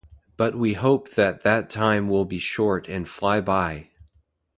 But we hope that that time will be short and fly by!